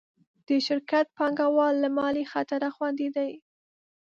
د شرکت پانګهوال له مالي خطره خوندي دي.